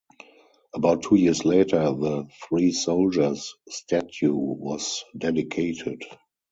About two years later the Three Soldiers statue was dedicated.